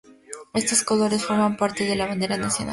Estos colores forman parte de la bandera nacional.